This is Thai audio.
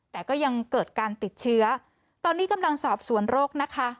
แต่ก็ยังเกิดการติดเชื้อตอนนี้กำลังสอบสวนโรคนะคะ